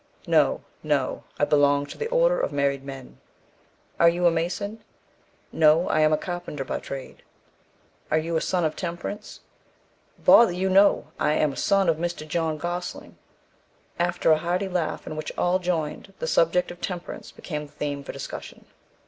"No, no; I belong to the order of married men." "Are you a mason?" "No, I am a carpenter by trade." "Are you a Son of Temperance?" "Bother you, no; I am a son of Mr. John Gosling." After a hearty laugh in which all joined, the subject of Temperance became the theme for discussion.